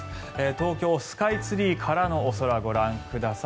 東京スカイツリーからのお空ご覧ください。